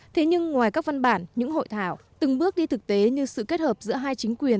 thế nhưng ngoài các văn bản những hội thảo từng bước đi thực tế như sự kết hợp giữa hai chính quyền